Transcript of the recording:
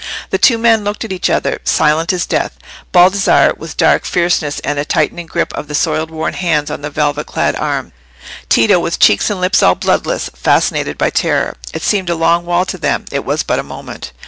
The two men looked at each other, silent as death: Baldassarre, with dark fierceness and a tightening grip of the soiled worn hands on the velvet clad arm; Tito, with cheeks and lips all bloodless, fascinated by terror. It seemed a long while to them—it was but a moment.